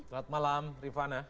selamat malam rivana